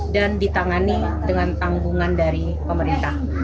dan ditangani dengan tanggungan dari pemerintah